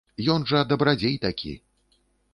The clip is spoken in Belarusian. Ён жа дабрадзей такі.